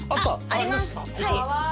あります。